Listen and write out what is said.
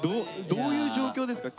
どういう状況ですか？